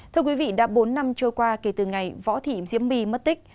thưa quý vị đã bốn năm trôi qua kể từ ngày võ thị diễm my mất tích